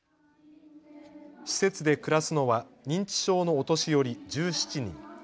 施設で暮らすのは認知症のお年寄り１７人。